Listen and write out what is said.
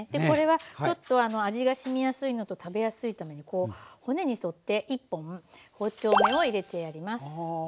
これはちょっと味がしみやすいのと食べやすいためにこう骨に沿って１本包丁目を入れてやります。